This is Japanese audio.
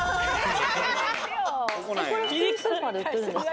これ、普通にスーパーで売ってるんですか？